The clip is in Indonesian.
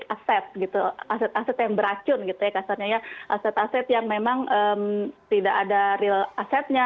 aset gitu aset aset yang beracun gitu ya kasarnya ya aset aset yang memang tidak ada real asetnya